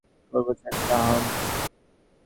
যে মনে করে, এ জগতের উপকার করব, সে একটা আহাম্মক।